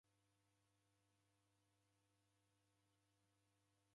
Mkongo wadukwa ni ambulesi